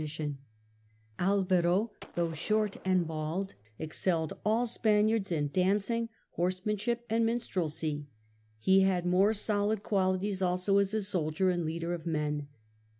"^ OJ^CO a ^ THE SPANISH PENINSULA 249 and bald, excelled all Spaniards in dancing, horsemanship and minstrelsy. He had more solid qualities also as a soldier and leader of men.